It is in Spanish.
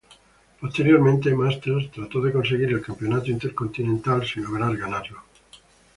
Posteriormente Masters trató de conseguir el Campeonato Intercontinental sin lograr ganarlo.